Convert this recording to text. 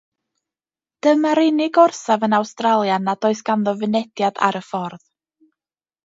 Dyma'r unig orsaf yn Awstralia nad oes ganddo fynediad ar y ffordd.